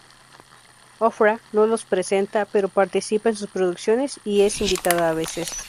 Oprah no los presenta, pero participa en sus producciones y es invitada a veces.